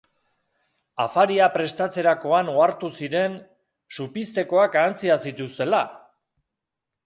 Afaria prestatzerakoan ohartu ziren... supiztekoak ahantziak zituztela!